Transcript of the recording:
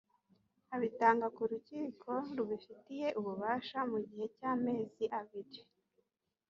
abitanga kurukiko rubifitiye ububasha mu gihe cy ‘amezi abiri.